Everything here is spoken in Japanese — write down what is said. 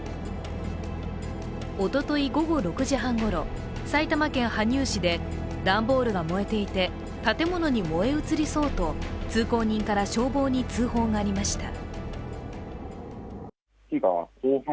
おととい午後６時半ごろ埼玉県羽生市で段ボールが燃えていて建物に燃え移りそうと通行人から消防に通報がありました。